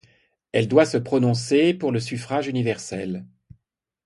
Elle doit se prononcer pour le suffrage universel.